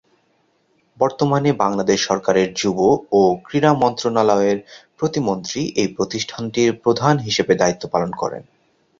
বর্তমানে বাংলাদেশ সরকারের যুব ও ক্রীড়া মন্ত্রণালয়ের প্রতিমন্ত্রী এই প্রতিষ্ঠানটির প্রধান হিসেবে দায়িত্ব পালন করেন।